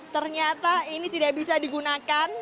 ternyata ini tidak bisa digunakan